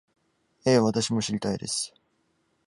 ええ、私も知りたいです